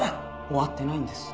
終わってないんです。